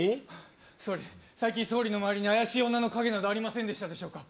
総理最近総理の周りに怪しい女の影などありませんでしたでしょうか？